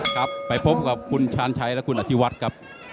ครับไปพบกับคุณชาญชัยและคุณอธิวัฒน์ครับ